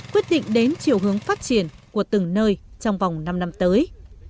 quyết định đến chiều hướng phát triển của từng nơi trong vòng năm năm tới